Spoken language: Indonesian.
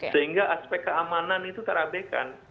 sehingga aspek keamanan itu terabaikan